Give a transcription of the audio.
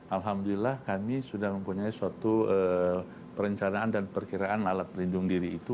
alhamdulillah kami sudah mempunyai suatu perencanaan dan perkiraan alat pelindung diri itu